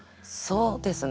そうですね。